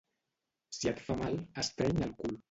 Si et fa mal, estreny el cul.